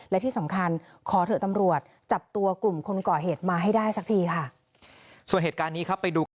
และที่สำคัญขอเถอะตำรวจจับตัวกลุ่มคนก่อเหตุมาให้ได้สักทีค่ะ